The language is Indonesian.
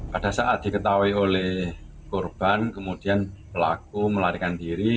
pada saat diketahui oleh korban kemudian pelaku melarikan diri